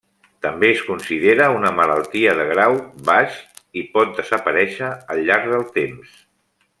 També es considera una malaltia de grau baix i pot desaparèixer al llarg del temps.